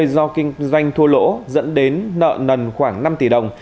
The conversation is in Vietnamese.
do kinh doanh thua lỗ dẫn đến nợ nần khoảng năm tỷ đồng